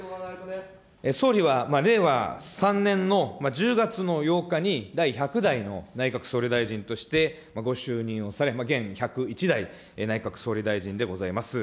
総理は令和３年の１０月の８日に、第１００代の内閣総理大臣としてご就任をされ、現１０１代内閣総理大臣でございます。